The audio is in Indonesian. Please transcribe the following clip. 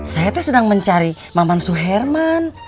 saya tuh sedang mencari maman suherman